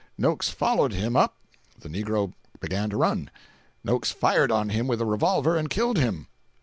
Noakes followed him up; the negro began to run; Noakes fired on him with a revolver and killed him.